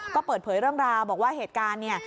ก็เปิดเผยเรื่องราวบอกว่าเหตุการณ์เนี่ย